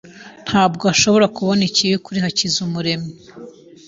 Ntabwo nshobora kubona ikibi kuri Hakizamuremyi